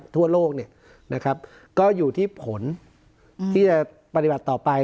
ทั่วโลกก็อยู่ที่ผลที่จะปฏิบัติต่อไป